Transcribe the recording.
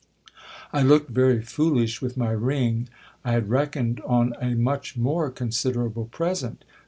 I looked very foolish with my ring ! I had reckoned on a much more consi derable present.